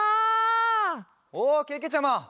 おけけちゃま